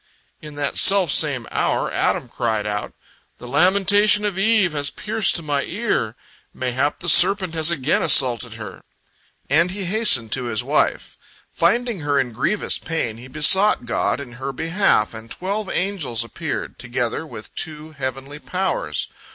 In that self same hour, Adam cried out: "The lamentation of Eve has pierced to my ear! Mayhap the serpent has again assaulted her," and he hastened to his wife. Finding her in grievous pain, he besought God in her behalf, and twelve angels appeared, together with two heavenly powers.